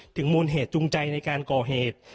ถึงมนตร์เหตุจูงใจในการก่อเหตุ